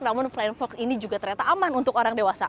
namun flying fox ini juga ternyata aman untuk orang dewasa